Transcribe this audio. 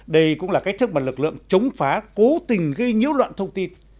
đây cũng là cách thức mà lực lượng chống phá cố tình gây nhiễu loạn thông tin